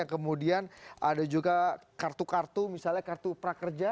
kemudian ada juga kartu kartu misalnya kartu prakerja